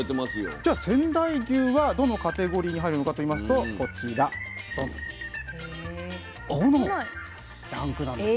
じゃあ仙台牛はどのカテゴリーに入るのかといいますとこちらドン５のランクなんです。